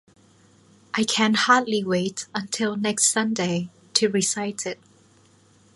I can hardly wait until next Sunday to recite it.